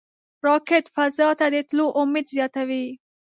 راکټ فضا ته د تللو امید زیاتوي